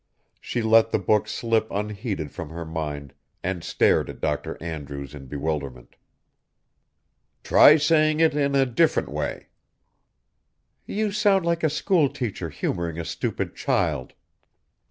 She let the book slip unheeded from her mind and stared at Dr. Andrews in bewilderment. "Try saying it in a different way." "You sound like a school teacher humoring a stupid child."